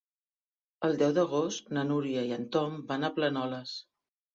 El deu d'agost na Núria i en Tom van a Planoles.